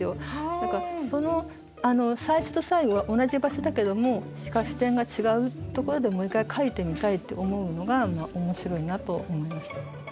何か最初と最後は同じ場所だけども視点が違うところでもう一回描いてみたいって思うのが面白いなと思いました。